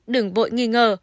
đừng vội nghi ngờ